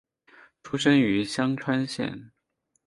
出身于香川县。